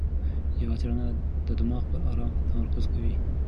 یوه څېړنه د دماغ پر ارام تمرکز کوي.